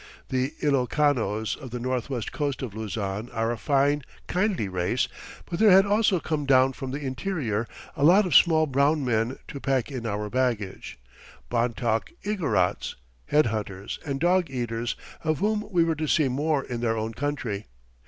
The Ilocanos of the northwest coast of Luzon are a fine, kindly race, but there had also come down from the interior a lot of small brown men to pack in our baggage, Bontoc Igorots, head hunters and dog eaters, of whom we were to see more in their own country.